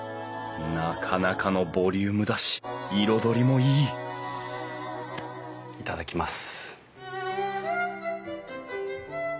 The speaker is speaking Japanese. なかなかのボリュームだし彩りもいい頂きます。